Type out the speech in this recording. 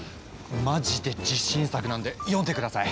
マジで自信作なんで読んで下さい！